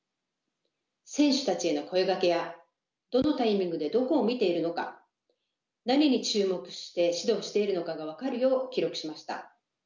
選手たちへの声掛けやどのタイミングでどこを見ているのか何に注目して指導しているのかが分かるよう記録しました。